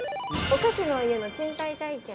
お菓子の家の賃貸体験。